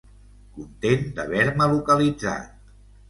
Content d'haver-me localitzat.